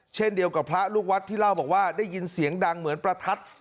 เช่นเดียวกับพระลูกวัดที่เล่าบอกว่าได้ยินเสียงดังเหมือนประทัด